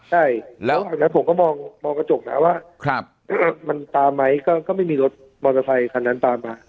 ใช่แล้วผมก็มองกระจกนะว่ามันตามไหมก็ไม่มีรถมอเตอร์ไซคันนั้นตามมา